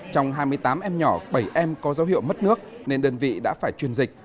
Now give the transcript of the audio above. trong hai mươi tám em nhỏ bảy em có dấu hiệu mất nước nên đơn vị đã phải truyền dịch